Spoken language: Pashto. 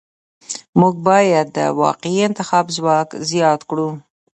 موږ باید د واقعي انتخاب ځواک زیات کړو.